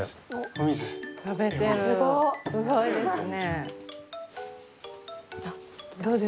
すごいですね。